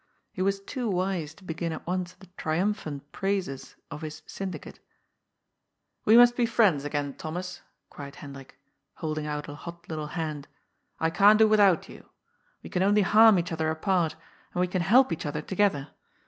He was too wise to begin at once the triumphant praises of his '' Syndicate." " We must be friends again, Thomas," cried Hendrik, holding out a hot little hand, ^' I can't do without you. We can only harm each other apart, and we can help each other together.